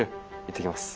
いってきます。